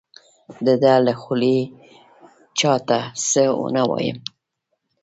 د ده له خولې چا ته څه ونه وایي.